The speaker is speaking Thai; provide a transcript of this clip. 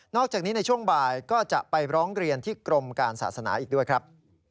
อกจากนี้ในช่วงบ่ายก็จะไปร้องเรียนที่กรมการศาสนาอีกด้วยครับ